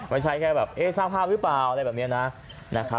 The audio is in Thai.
ไม่ใช่แค่แบบสร้างภาพหรือเปล่าอะไรแบบนี้นะ